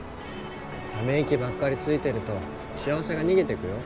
ため息ばっかりついてると幸せが逃げていくよ。